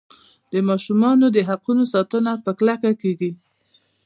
د ماشومانو د حقونو ساتنه په کلکه کیږي.